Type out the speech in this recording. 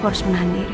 aku harus menahan diri